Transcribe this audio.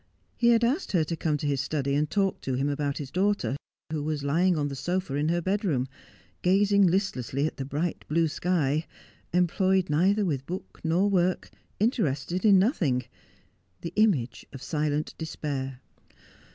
He had asked her to come to his study and talk to him about his daughter, who was lying on the sofa in her bed room, gazing listlessly at the blue bright sky, employed neither with book nor work, interested in nothing — the image of silent despair.